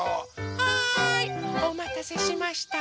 はいおまたせしました。